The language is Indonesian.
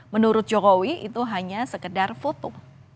menurut jokowi itu hanya sekedar foto